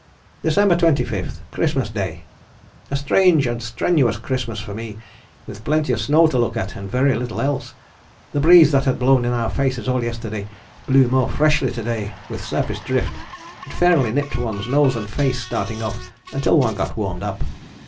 December 25. Christmas Day. A strange and strenuous Christmas for me, with plenty of snow to look at and very little else. The breeze that had blown in our faces all yesterday blew more freshly to day, with surface drift. It fairly nipped one's nose and face starting off until one got warmed up.